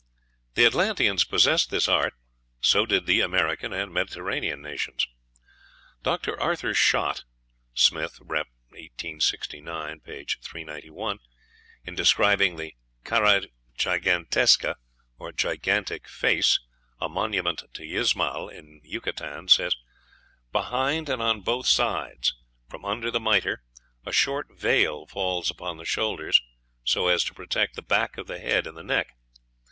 The Atlanteans possessed this art; so did the American and Mediterranean nations. Dr. Arthur Schott ("Smith. Rep.," 1869, p. 391), in describing the "Cara Gigantesca," or gigantic face, a monument of Yzamal, in Yucatan, says, "Behind and on both sides, from under the mitre, a short veil falls upon the shoulders, so as to protect the back of the head and the neck.